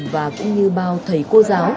và cũng như bao thầy cô giáo